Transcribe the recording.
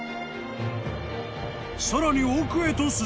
［さらに奥へと進むと］